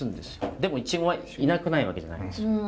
でもいちごはいなくないわけじゃないです。